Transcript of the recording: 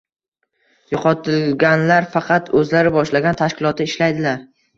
Yo'qotilganlar faqat o'zlari boshlagan tashkilotda ishlaydilar